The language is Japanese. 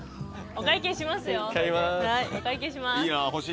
お会計します。